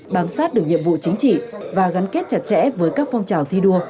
bám sát được nhiệm vụ chính trị và gắn kết chặt chẽ với các phong trào thi đua